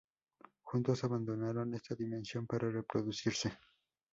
Juntos, abandonaron esta dimensión para reproducirse.